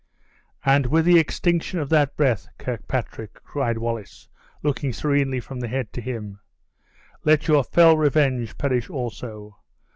"And with the extinction of that breath, Kirkpatrick," cried Wallace, looking serenely from the head to him, "let your fell revenge perish also.